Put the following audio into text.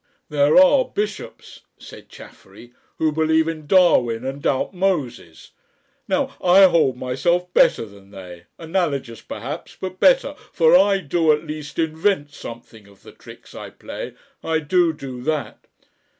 "There are bishops," said Chaffery, "who believe in Darwin and doubt Moses. Now, I hold myself better than they analogous perhaps, but better for I do at least invent something of the tricks I play I do do that."